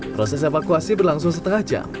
proses evakuasi berlangsung setengah jam